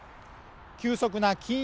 急速な金融